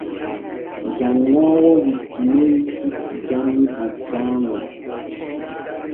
Janŋoowo wittinoy puccu janni bujjaaŋu.